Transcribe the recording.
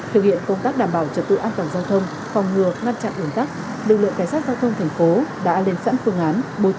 thực hiện công tác đảm bảo trật tự an toàn giao thông phòng ngừa ngăn chặn ổn tắc